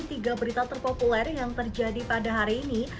tiga berita terpopuler yang terjadi pada hari ini